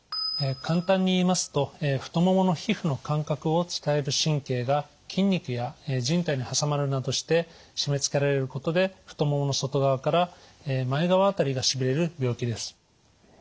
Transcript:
簡単に言いますと太ももの皮膚の感覚を伝える神経が筋肉や靱帯に挟まるなどして締めつけられることで太ももの外側から前側辺りがしびれる病気です。